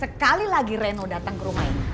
sekali lagi reno datang ke rumah ini